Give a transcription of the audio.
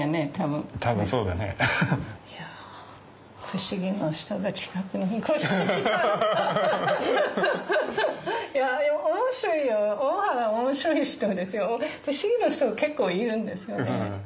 不思議な人が結構いるんですよね。